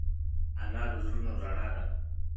انا د زړونو رڼا ده